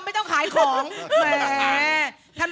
ที่จะเป็นความสุขของชาวบ้าน